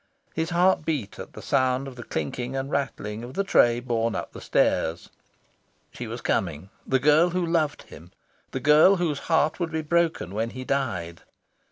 His heart beat at sound of the clinking and rattling of the tray borne up the stairs. She was coming, the girl who loved him, the girl whose heart would be broken when he died.